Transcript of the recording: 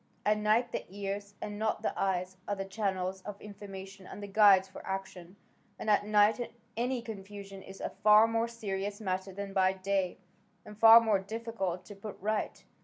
At night the ears, and not the eyes, are the channels of information and the guides for action, and at night any confusion is a far more serious matter than by day, and far more difficult to put right.